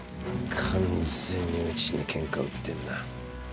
完全にうちにケンカ売ってんな